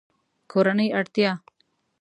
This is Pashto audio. کورنۍ اړتیا